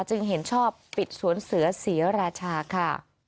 จึงเห็นชอบปิดสวนเสือศรีราชาค่ะ